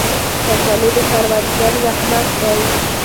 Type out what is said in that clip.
کچالو د کروندګرو زحمت دی